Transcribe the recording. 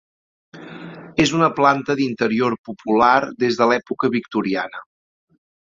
És una planta d'interior popular des de l'època victoriana.